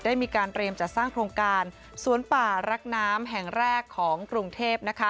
ได้มีการเตรียมจัดสร้างโครงการสวนป่ารักน้ำแห่งแรกของกรุงเทพ